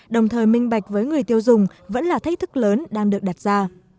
đồng thời minh bạch với người tiêu dùng vẫn là thách thức lớn đang được đặt ra